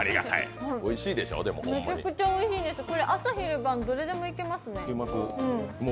めちゃくちゃおいしいですこれ、朝昼晩、どれでもいけますね。